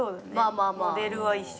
モデルは一緒。